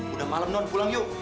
udah malam non pulang yuk